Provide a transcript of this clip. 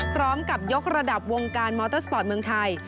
พร้อมกับยกระดับวงการมอเตอร์สปอร์ตเมืองไทย